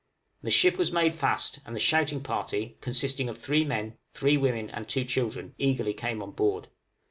The ship was made fast, and the shouting party, consisting of three men, three women, and two children, eagerly came on board.